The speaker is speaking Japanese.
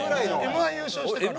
Ｍ−１優勝してから？